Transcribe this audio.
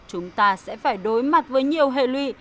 chúng ta sẽ phải đối mặt với nhiều hệ lụy